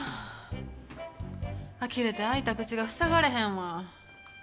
あきれて開いた口がふさがれへんわ。